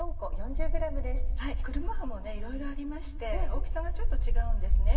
車麩もいろいろありまして大きさがちょっと違うんですね。